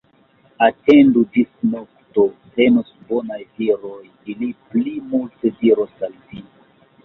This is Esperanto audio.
Atendu ĝis nokto, venos bonaj viroj, ili pli multe diros al vi.